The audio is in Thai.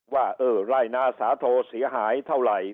ว่าเออไร่นาสาโทเสียหายเท่าไหร่